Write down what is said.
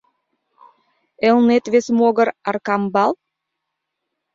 — Элнет вес могыр Аркамбал?